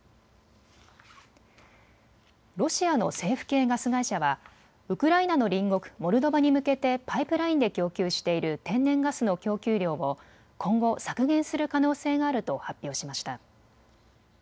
ロシアの政府系ガス会社はウクライナの隣国モルドバに向けてパイプラインで供給している天然ガスの供給量を今後、削減する可能性があると発表しました。